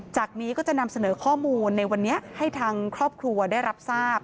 จากนี้ก็จะนำเสนอข้อมูลในวันนี้ให้ทางครอบครัวได้รับทราบ